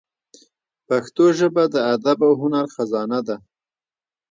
پښتو ژبه د ادب او هنر خزانه ده.